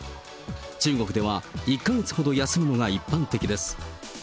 中国では１か月ほど休むのが一般的です。